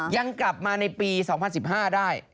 ยังกลับมาในปี๒๐๑๕ได้